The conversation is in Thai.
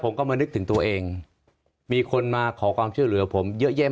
ผมก็มานึกถึงตัวเองมีคนมาขอความช่วยเหลือผมเยอะแยะ